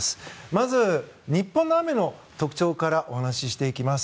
まず、日本の雨の特徴からお話していきます。